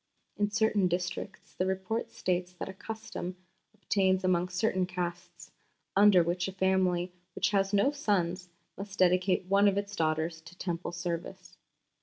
In certain districts the Report states that a custom obtains among certain castes, under which a family which has no sons must dedicate one of its daughters to Temple service.